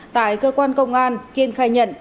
tại cơ quan công an kiên khai nhận